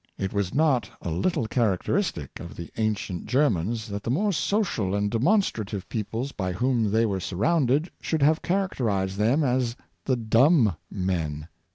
It was not a little characteristic of the ancient Ger mans that the more social and demonstrative peoples by whom they were surrounded should have character ized them as the dumb men.